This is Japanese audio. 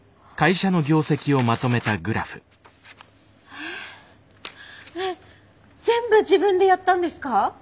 えっねえ全部自分でやったんですか！？